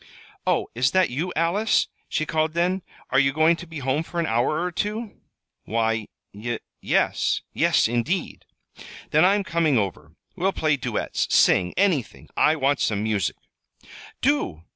"Oh, is that you, Alice?" she called then. "Are you going to be home for an hour or two?" "Why, y yes; yes, indeed." "Then I'm coming over. We'll play duets, sing anything. I want some music." "Do!